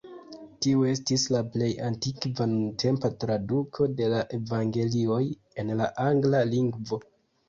Tiu estis la plej antikva nuntempa traduko de la Evangelioj en la angla lingvo.